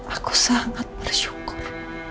aku sangat bersyukur